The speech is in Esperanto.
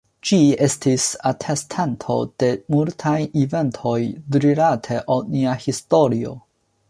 Ĝi estis atestanto de multaj eventoj, rilate al nia historio.